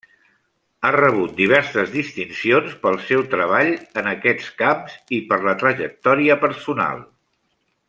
Ha rebut diverses distincions pel seu treball en aquests camps i per la trajectòria personal.